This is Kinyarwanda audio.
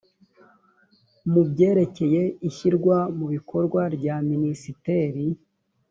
mu byerekeye ishyirwa mu bikorwa rya minisiteri